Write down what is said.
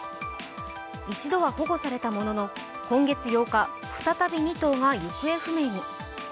一度は保護されたものの、今月８日再び２頭が行方不明に。